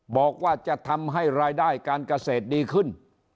บอกว่าจะทำให้รายได้การเกษตรดีขึ้น